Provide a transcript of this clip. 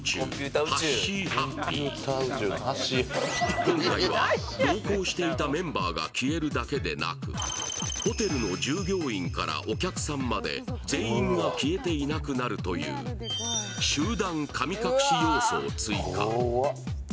今回は同行していたメンバーが消えるだけでなく、ホテルの従業員からお客さんまで全員が消えていなくなるという集団神隠し要素を追加。